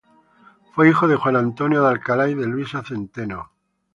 Fue hijo de Juan Antonio de Alcalá y de Luisa Centeno.